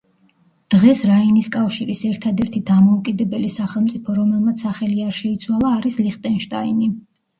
დღეს რაინის კავშირის ერთადერთი დამოუკიდებელი სახელმწიფო რომელმაც სახელი არ შეიცვალა არის ლიხტენშტაინი.